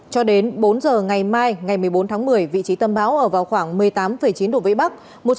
cho đến bốn giờ ngày mai ngày một mươi bốn tháng một mươi vị trí tâm bão ở vào khoảng một mươi tám chín độ vĩ bắc